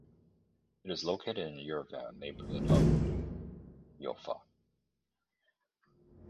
It is located in Yerevan neighbourhood of New Julfa.